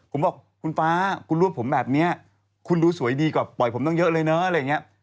ผมบอกคุณฟ้าคุณรวบผมแบบนี้คุณดูสวยดีกว่าปล่อยผมตั้งเยอะเลยเนอะอะไรอย่างนี้